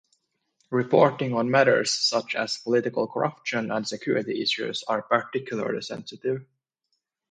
Reporting on matters such as political corruption and security issues are particularly sensitive.